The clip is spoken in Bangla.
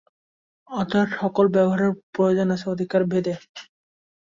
অতএব সকল ব্যবহারেরই প্রয়োজন আছে অধিকারিভেদে।